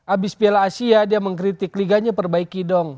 abis piala asia dia mengkritik liganya perbaiki dong